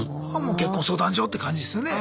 結婚相談所って感じですよね。